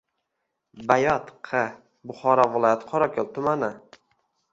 Bayot – q., Buxoro viloyati Qorakul tumani.